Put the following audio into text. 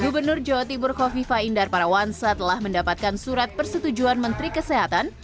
gubernur jawa timur kofifa indar parawansa telah mendapatkan surat persetujuan menteri kesehatan